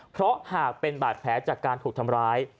เพราะหากเป็นบาดแผลจากการถูกทำร้าย